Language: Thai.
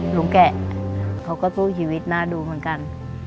แกะเขาก็สู้ชีวิตน่าดูเหมือนกัน